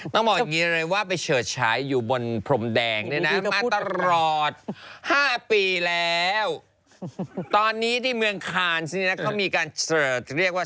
ตอนนี้ที่เมืองคาร์นซ์นี่นะเขามีการเชิร์ชเรียกว่า